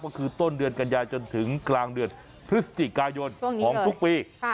ก็คือต้นเดือนกันยาจนถึงกลางเดือนพฤศจิกายนของทุกปี